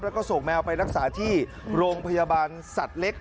แล้วก็ส่งแมวไปรักษาที่โรงพยาบาลสัตว์เล็ก